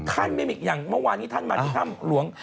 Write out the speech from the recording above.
ท่านไม่มีอย่างเมื่อวานที่ท่านมาที่ท่ามหลวง